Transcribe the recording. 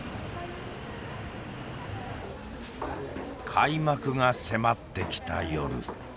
開幕が迫ってきた夜。